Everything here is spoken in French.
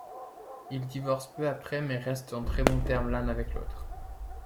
Ils divorcent peu après mais restent en très bons termes l'un avec l'autre.